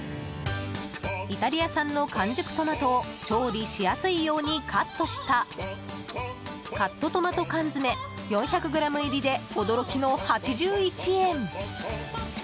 イタリア産の完熟トマトを調理しやすいようにカットしたカットトマト缶詰４００ｇ入りで驚きの８１円。